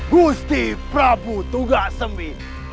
gusti prabu tugak sembi